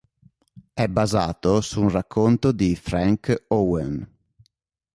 È basato su un racconto di Frank Owen.